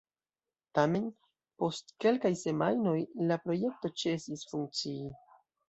Tamen, post kelkaj semajnoj, la projekto ĉesis funkcii.